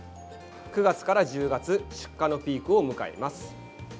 ９月から１０月出荷のピークを迎えます。